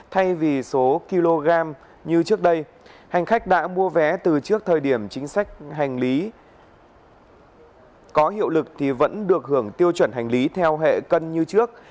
thay vì số kg như trước đây hành khách đã mua vé từ trước thời điểm chính sách hành lý có hiệu lực thì vẫn được hưởng tiêu chuẩn hành lý theo hệ cân như trước